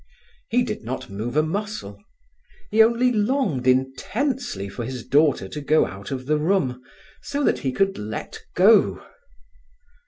He did not move a muscle. He only longed intensely for his daughter to go out of the room, so that he could let go.